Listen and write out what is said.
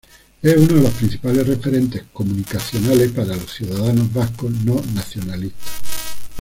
Es uno de los principales referentes comunicacionales para los ciudadanos vascos no nacionalistas.